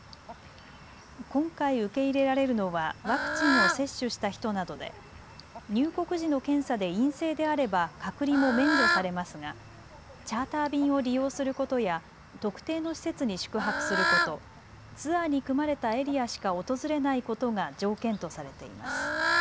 今回、受け入れられるのはワクチンを接種した人などで入国時の検査で陰性であれば隔離も免除されますがチャーター便を利用することや特定の施設に宿泊すること、ツアーに組まれたエリアしか訪れないことが条件とされています。